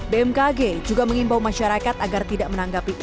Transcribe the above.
bmkg juga mengimbau masyarakat agar tidak menanggap gempa bumi